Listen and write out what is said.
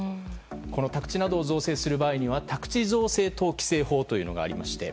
宅地などを造成する場合には宅地造成等規制法というのがありまして。